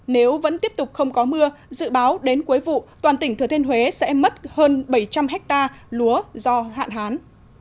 nếu vẫn tiếp tục không có mưa dự báo đến cuối vụ toàn tỉnh thừa thiên huế sẽ mất hơn bảy trăm linh hectare lúa do hạn hán